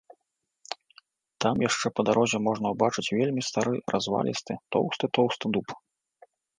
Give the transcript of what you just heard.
Там яшчэ па дарозе можна ўбачыць вельмі стары развалісты тоўсты-тоўсты дуб.